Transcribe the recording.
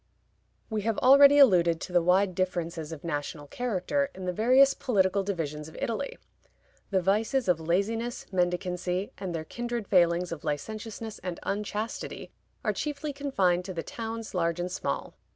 We have already alluded to the wide differences of national character in the various political divisions of Italy. The vices of laziness, mendicancy, and their kindred failings of licentiousness and unchastity are chiefly confined to the towns, large and small.